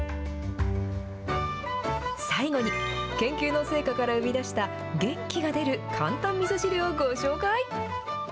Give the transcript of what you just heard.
最後に、研究の成果から生み出した元気が出る簡単みそ汁をご紹介。